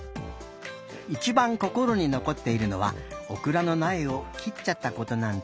いちばんこころにのこっているのはオクラのなえを切っちゃったことなんだって。